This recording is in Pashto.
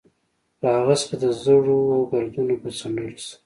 له هغه څخه د زړو ګردونو په څنډلو سره.